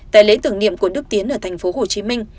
tại lễ tưởng niệm của đức tiến ở tp hcm